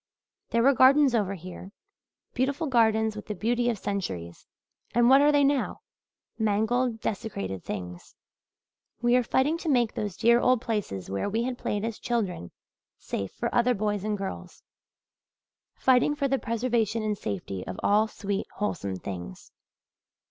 There were gardens over here beautiful gardens with the beauty of centuries and what are they now? Mangled, desecrated things! We are fighting to make those dear old places where we had played as children, safe for other boys and girls fighting for the preservation and safety of all sweet, wholesome things.